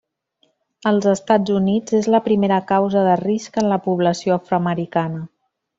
Als Estats Units és la primera causa de risc en la població afroamericana.